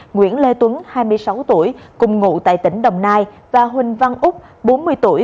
nguyễn lê tuấn hai mươi sáu tuổi cùng ngụ tại tỉnh đồng nai và huỳnh văn úc bốn mươi tuổi